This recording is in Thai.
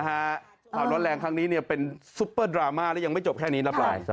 แต่ความร้อนแรงครั้งนี้เนี่ยเป็นซุปเปอร์ดราม่าแล้วยังไม่จบแค่นี้นะครับ